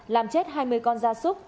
làm chết hai mươi ca